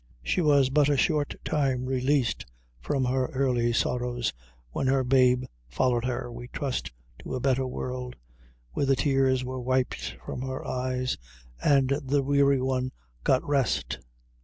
she was but a short time released from her early sorrows, when her babe followed her, we trust, to a better world, where the tears were wiped from her eyes, and the weary one got rest.